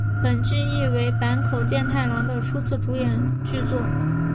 本剧亦为坂口健太郎的初次主演剧作。